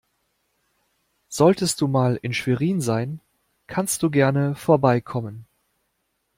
Solltest du mal in Schwerin sein, kannst du gerne vorbeikommen.